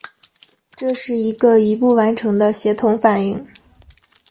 这是一个一步完成的协同反应。